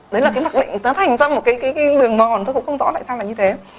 đấy là cái mặc định nó thành ra một cái đường mòn tôi cũng không rõ lại xong là như thế